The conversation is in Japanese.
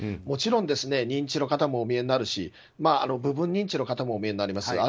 もちろん、認知症の方もお見えになりますし部分認知の方もお見えになります。